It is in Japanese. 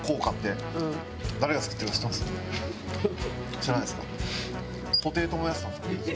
知らないですか？